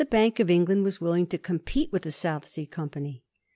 Bank of England was willing to compete with the South Sea Company.